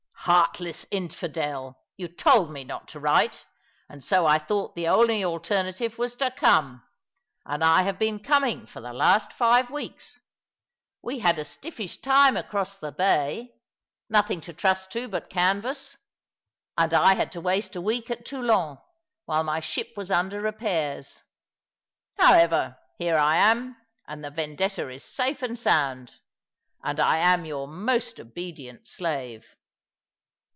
"Heartless infidel, you told me not to write; and so I thought the only alternative was to come. And I have been coming for the last five weeks. We had a stiflish time across 234 ^l^ along the River, the bay — nothing to trust to but canvas ; and I had to waste a week at Toulon while my ship was under repairs. However, here I am, and the Vendetta is safe and sound; and I am your most obedient slave.